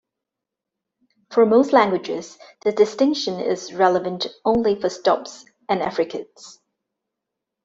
For most languages, the distinction is relevant only for stops and affricates.